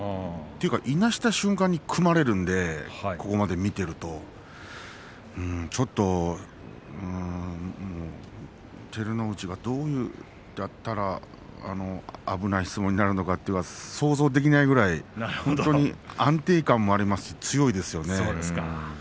いなした瞬間に組まれるのでここまで見ているとちょっと照ノ富士はどうだったら危ない相撲になるのか想像できないぐらい安定感もありますし強いですよね。